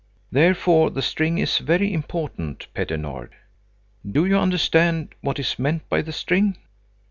Therefore the string is very important, Petter Nord. Do you understand what is meant by the string?"